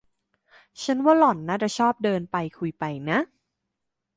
ฉันว่าหล่อนน่าจะชอบเดินไปคุยไปนะ